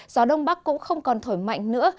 gió đông bắc cũng không còn thổi mạnh nữa